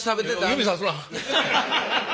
指さすな。